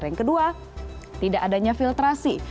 yang kedua tidak adanya filtrasi